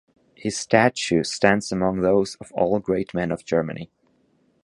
His statue stands among those of all the great men of Germany.